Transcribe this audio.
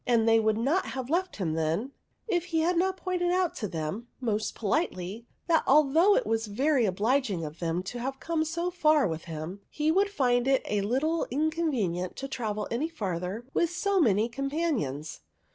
And they would not have left him then, if he had not pointed out to them, most politely, that although it was very obliging of them to have come so far with him, he would find it a little inconvenient to travel any further with so many companions.